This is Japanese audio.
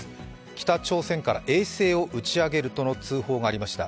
北朝鮮から衛星を打ち上げるとの通報がありました。